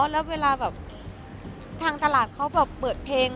แล้วเวลาแบบทางตลาดเขาแบบเปิดเพลง